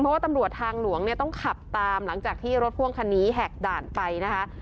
เพราะว่าตำรวจทางหลวงเนี่ยต้องขับตามหลังจากที่รถพ่วงคันนี้แหกด่านไปนะคะ